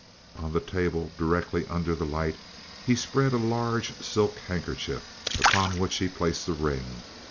On the table, directly under the light, he spread a large silk handkerchief, upon which he placed the ring.